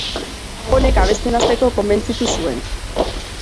Honek abesten hasteko konbentzitu zuen.